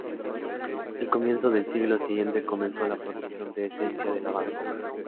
Al comienzo del siglo siguiente comenzó la producción de esencia de lavanda.